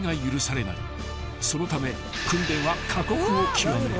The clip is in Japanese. ［そのため訓練は過酷を極める］